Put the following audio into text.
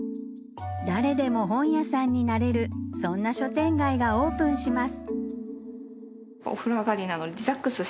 誰でも本屋さんになれるそんな書店街がオープンします」